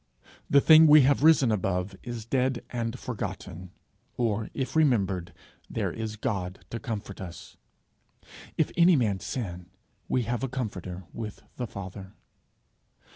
The thing we have risen above, is dead and forgotten, or if remembered, there is God to comfort us. 'If any man sin, we have a comforter with the Father.'